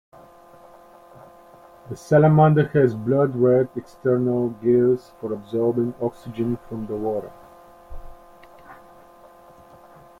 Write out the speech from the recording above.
The salamander has blood-red external gills for absorbing oxygen from the water.